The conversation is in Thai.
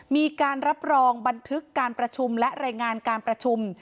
มีการรับรองบันทึกการประชุมและรายงานการประชุม